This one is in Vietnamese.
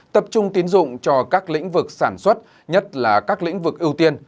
tập trung tiến dụng cho các lĩnh vực sản xuất nhất là các lĩnh vực ưu tiên